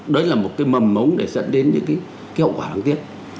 đấy là một cái mầm mống để dẫn đến những cái hậu quả đáng tiếc